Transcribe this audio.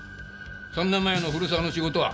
３年前の古沢の仕事は？